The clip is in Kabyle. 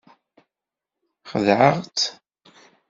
Xedɛeɣ-tt.